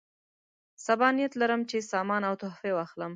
سبا نیت لرم چې سامان او تحفې واخلم.